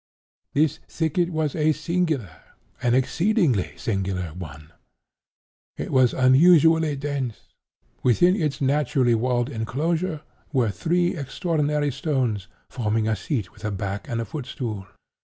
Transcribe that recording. "This thicket was a singular—an exceedingly singular one. It was unusually dense. Within its naturally walled enclosure were three extraordinary stones, forming a seat with a back and footstool.